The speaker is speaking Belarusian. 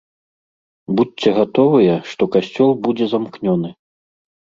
Будзьце гатовыя, што касцёл будзе замкнёны.